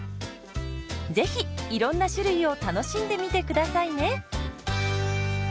是非いろんな種類を楽しんでみて下さいね。